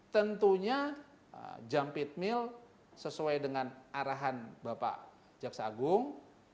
tentunya jump it mill sesuai dengan arahan bapak jaksa agung